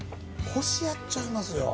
腰やっちゃいますよ。